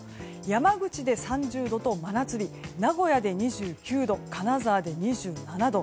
山口で３０度と、真夏日名古屋で２９度金沢で２７度。